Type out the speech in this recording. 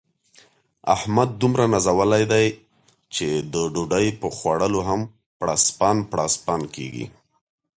احمد دومره نازولی دی، چې د ډوډۍ په خوړلو هم پړسپن پړسپن کېږي.